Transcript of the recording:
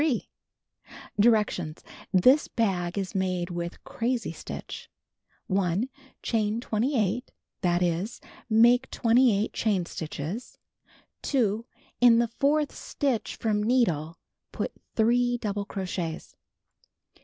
Directions : This bag is made with Crazy Stitch 1. Chain 28 stitches; that is, make 28 chain stitches. 2. In the fourth stitch from needle, put 3 double crochets.